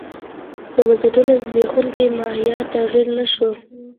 د بنسټونو زبېښونکی ماهیت تغیر نه شو.